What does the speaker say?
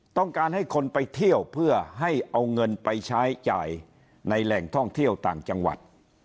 ต้องการให้คนไปเที่ยวเพื่อให้เอาเงินไปใช้จ่ายในแหล่งท่องเที่ยวต่างจังหวัด